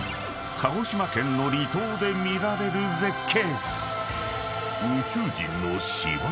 ［鹿児島県の離島で見られる絶景］